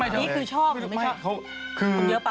นี่คือชอบหรือไม่ชอบ